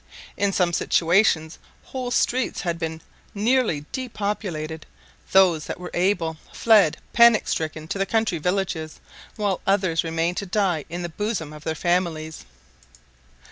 In some situations whole streets had been nearly depopulated; those that were able fled panic stricken to the country villages, while others remained to die in the bosom of their families.